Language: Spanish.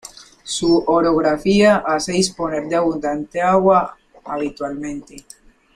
Su orografía hace disponer de abundante agua habitualmente.